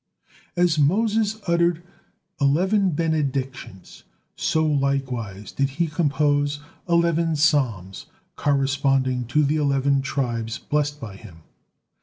As Moses uttered eleven benedictions, so likewise did he compose eleven psalms, corresponding to the eleven tribes blessed by him.